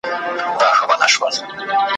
زه ملنګ عبدالرحمن وم ,